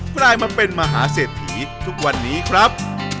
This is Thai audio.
กลายมาเป็นมหาเศรษฐีทุกวันนี้ครับ